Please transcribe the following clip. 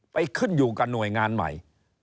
ขึ้นอยู่กับหน่วยงานใหม่